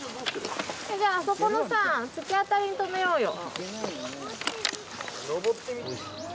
あそこのさ突き当たりに止めようよ。